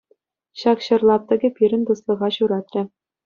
Ҫак ҫӗр лаптӑкӗ пирӗн туслӑха ҫуратрӗ.